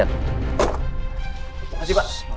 terima kasih pak